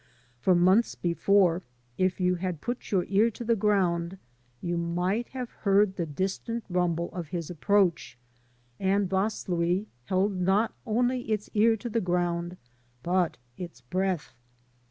For months before, if you had put your ear to the ground, you might have heard the distant rumble of his approach, and Vaslui held not only its ear to the ground, but its breath.